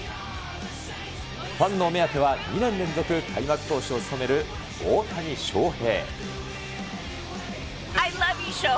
ファンのお目当ては、２年連続開幕投手を務める大谷翔平。